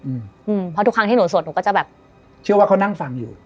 อืมอืมเพราะทุกครั้งที่หนูสวดหนูก็จะแบบเชื่อว่าเขานั่งฟังอยู่